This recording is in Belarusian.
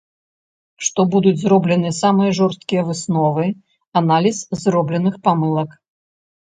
Што будуць зробленыя самыя жорсткія высновы, аналіз зробленых памылак.